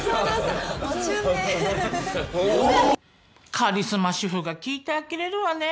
カリスマ主婦が聞いてあきれるわね。